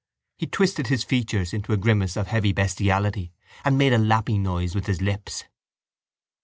He twisted his features into a grimace of heavy bestiality and made a lapping noise with his lips.